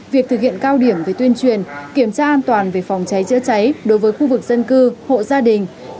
việc thực hiện cao điểm về tuyên truyền kiểm tra an toàn về phòng cháy chữa cháy đối với khu vực dân cư hộ gia đình